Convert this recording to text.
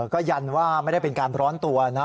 ก็ยันว่าไม่ได้เป็นการร้อนตัวนะ